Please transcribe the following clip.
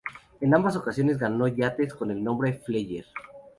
En ambas ocasiones ganó con yates con el nombre "Flyer".